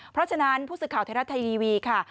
เพราะฉะนั้นผู้สื่อข่าวไทยรัฐทีวีค่ะ